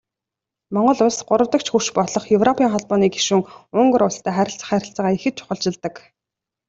Монгол Улс гуравдагч хөрш болох Европын Холбооны гишүүн Унгар улстай харилцах харилцаагаа ихэд чухалчилдаг.